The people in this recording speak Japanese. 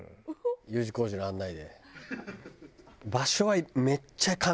Ｕ字工事の案内で。